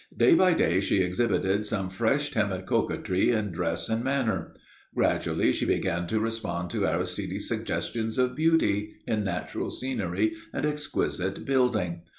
Day by day she exhibited some fresh timid coquetry in dress and manner. Gradually she began to respond to Aristide's suggestions of beauty in natural scenery and exquisite building.